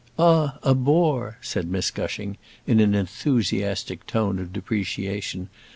"Ah, a bore!" said Miss Gushing, in an enthusiastic tone of depreciation.